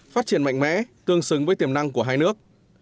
phát triển mạnh mẽ tương xứng với tiềm năng của hai nước